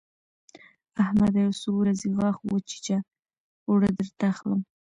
احمده! يو څو ورځې غاښ وچيچه؛ اوړه درته اخلم.